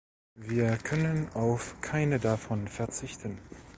Wir können auf keine davon verzichten.